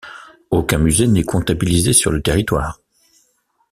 Aucun musée n'est comptabilisé sur le territoire.